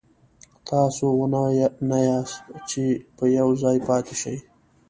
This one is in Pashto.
تاسو ونه نه یاست چې په یو ځای پاتې شئ.